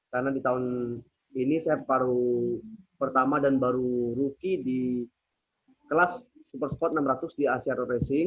karena di tahun ini saya baru pertama dan baru rookie di kelas super spot enam ratus di asean racing